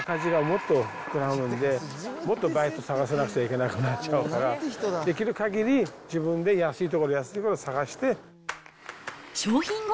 仕入れで抑えないと、赤字がもっと膨らむんで、もっとバイト探さなくちゃいけなくなっちゃうから、できるかぎり、自分で安い所安い所探して。